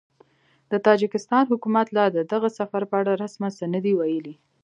د تاجکستان حکومت لا د دغه سفر په اړه رسماً څه نه دي ویلي